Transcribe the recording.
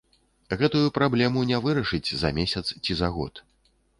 Гэтую праблему не вырашыць за месяц ці за год.